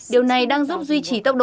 điều này đang giúp duy trì tốc độ